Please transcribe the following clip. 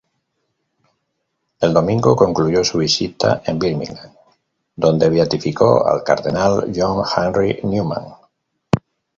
El domingo concluyó su visita en Birmingham, donde beatificó al cardenal John Henry Newman.